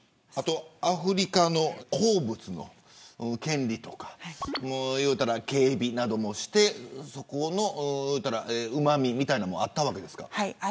アフリカの鉱物の権利とか警備などもしてそこの、うまみみたいなところもあったんですか。